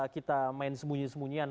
kita main sembunyi sembunyian